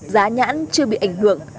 giá nhãn chưa bị ảnh hưởng